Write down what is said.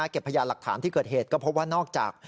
พยานหลักฐานที่เกิดเหตุก็พบว่านอกจาก